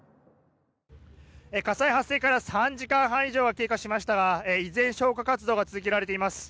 火災発生から３時間半以上が経過しましたが依然消火活動が続けられています。